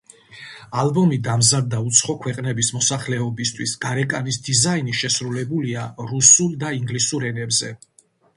ალბომი დამზადდა უცხო ქვეყნების მოსახლეობისთვის, გარეკანის დიზაინი შესრულებულია რუსულ და ინგლისურ ენებზე.